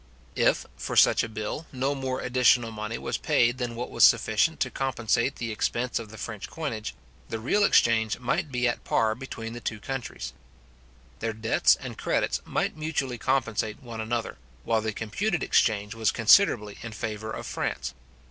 If, for such a bill, no more additional money was paid than what was sufficient to compensate the expense of the French coinage, the real exchange might be at par between the two countries; their debts and credits might mutually compensate one another, while the computed exchange was considerably in favour of France.